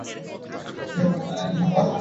তিনি ছিলেন আমেরিকান ইহুদি।